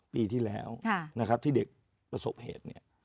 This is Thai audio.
ปีที่แล้วที่เด็กประสบเหตุ